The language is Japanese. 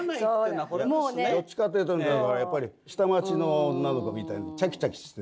どっちかっていうとだからやっぱり下町の女の子みたいなチャキチャキしてて。